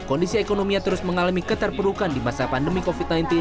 kondisi ekonominya terus mengalami keterperukan di masa pandemi covid sembilan belas